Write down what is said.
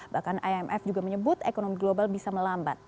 bahkan imf juga menyebut ekonomi global bisa melambat